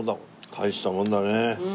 大したもんだね。